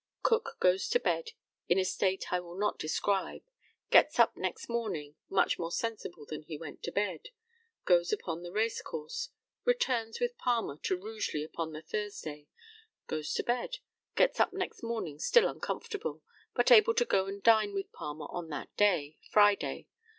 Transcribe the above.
Cook goes to bed in a state I will not describe, gets up next morning much more sensible than he went to bed, goes upon the racecourse, returns with Palmer to Rugeley on the Thursday, goes to bed, gets up next morning still uncomfortable, but able to go and dine with Palmer on that day (Friday).